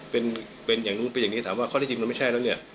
เป็นเป็นอย่างนู้นเป็นอย่างนี้ถามว่าข้อที่จริงมันไม่ใช่แล้วเนี่ย